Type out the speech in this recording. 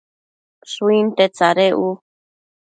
Shuinte tsadec u